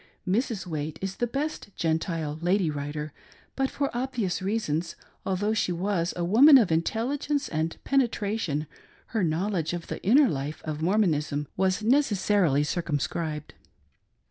Mrs. Waite is the best Gentile lady writer; but for obvious reasons, although she was a woman of intelligence and penetration, her knowledge of the inner life of Mormonism was necessarily circumscribed.